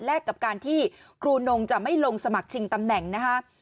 กับการที่ครูนงจะไม่ลงสมัครชิงตำแหน่งนะคะ